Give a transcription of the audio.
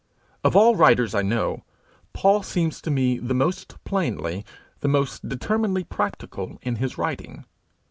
Of all writers I know, Paul seems to me the most plainly, the most determinedly practical in his writing.